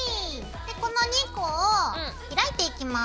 この２個を開いていきます。